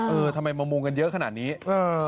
เออทำไมมามุงกันเยอะขนาดนี้เออ